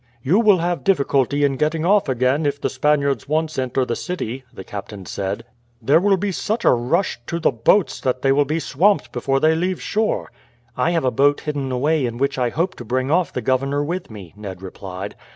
"You will have difficulty in getting off again if the Spaniards once enter the city," the captain said. "There will be such a rush to the boats that they will be swamped before they leave shore." "I have a boat hidden away in which I hope to bring off the governor with me," Ned replied.